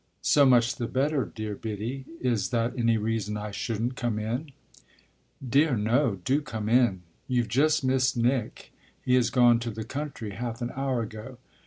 "So much the better, dear Biddy. Is that any reason I shouldn't come in?" "Dear no do come in. You've just missed Nick; he has gone to the country half an hour ago."